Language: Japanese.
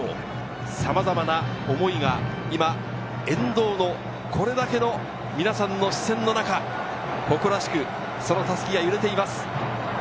さまざまな思いが、今、沿道のこれだけの皆さんの視線の中、誇らしくその襷が揺れています。